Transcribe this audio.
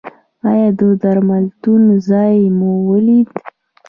ایا د درملتون ځای مو ولید؟